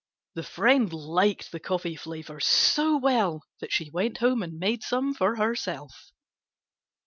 The friend liked the coffee flavor so well that she went home and made some for herself.